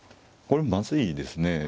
これまずいですね。